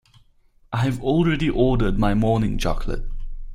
I have already ordered my morning chocolate.